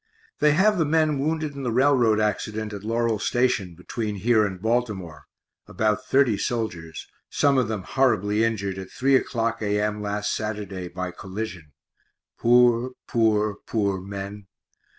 They have the men wounded in the railroad accident at Laurel station (bet. here and Baltimore), about 30 soldiers, some of them horribly injured at 3 o'clock A. M. last Saturday by collision poor, poor, poor men.